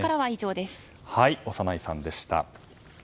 小山内さんでした。